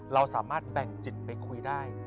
เราสามารถแบ่งจิตไปคุยได้